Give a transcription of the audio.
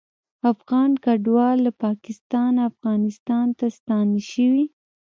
افغان کډوال له پاکستانه افغانستان ته ستانه شوي